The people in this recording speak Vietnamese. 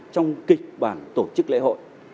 trong kịch bản tổ chức lễ hội